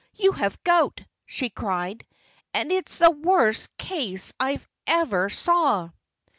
"You have gout!" she cried. "And it's the worst case I ever saw."